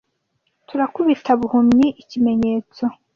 Turakubita buhumyi ikimenyetso